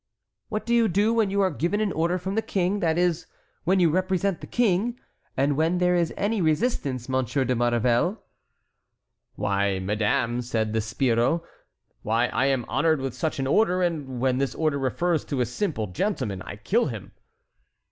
"What do you do when you are given an order from the King, that is, when you represent the King, and when there is any resistance, Monsieur de Maurevel?" "Why, madame," said the sbirro, "when I am honored with such an order, and when this order refers to a simple gentleman, I kill him."